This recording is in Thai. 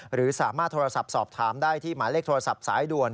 หรือสามารถโทรศัพท์สอบถามได้ที่หมายเลขโทรศัพท์สายด่วน